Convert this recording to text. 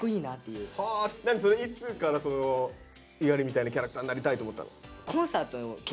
いつからその猪狩みたいなキャラクターになりたいと思ったの？